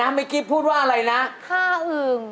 อะไรนะเมื่อกี้พูดว่าอะไรนะท่าอึ่ง